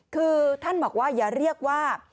คือท่านบอกว่าอย่าเรียกว่า